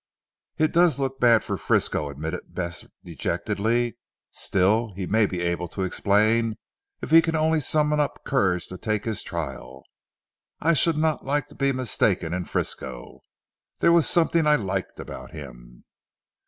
"It does look bad for Frisco," admitted Bess dejectedly, "still he may be able to explain if he can only summon up courage to take his trial. I should not like to be mistaken in Frisco. There was something I liked about him."